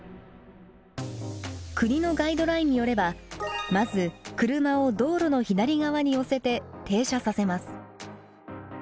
国のガイドラインによればまず車を道路の左側に寄せて停車させます。